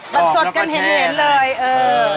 มันสดกันเห็นเลยเออ